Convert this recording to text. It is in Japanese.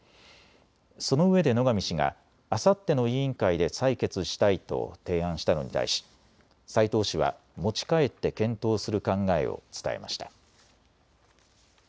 そのうえで野上氏があさっての委員会で採決したいと提案したのに対し斎藤氏は持ち帰って検討する考えを伝えました。